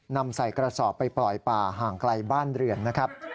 นำใส่กระสอบไปปล่อยป่าห่างไกลบ้านเรือนนะครับ